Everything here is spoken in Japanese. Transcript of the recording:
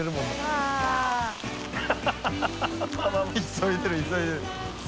急いでる急いでる